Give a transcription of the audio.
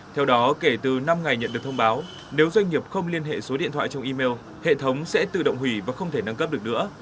theo đó kể từ năm ngày nhận được thông báo nếu doanh nghiệp không liên hệ số điện thoại trong email hệ thống sẽ tự động hủy và không thể nâng cấp được nữa